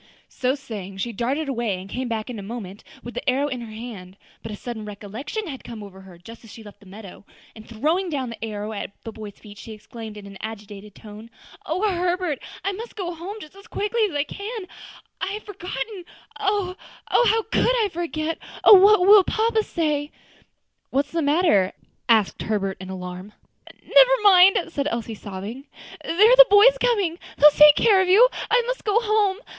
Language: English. So saying, she darted away, and came back in a moment with the arrow in her hand. But a sudden recollection had come over her just as she left the meadow, and throwing down the arrow at the boy's feet, she exclaimed in an agitated tone, "O Herbert! I must go home just as quickly as I can; I had forgotten oh! how could I forget! oh! what will papa say!" "Why, what's the matter?" asked Herbert in alarm. "Never mind," said Elsie, sobbing. "There are the boys coming; they will take care of you, and I must go home.